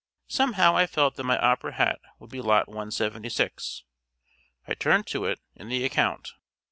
Somehow I felt that my opera hat would be Lot 176. I turned to it in the account.